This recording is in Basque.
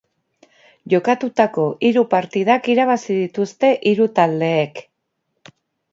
Jokatutako hiru partidak irabazi dituzte hiru taldeek.